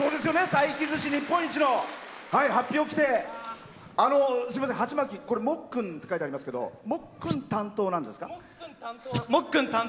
佐伯寿司日本一のはっぴを着て、鉢巻きもっくんって書いてありますけどもっくん担当なんですか。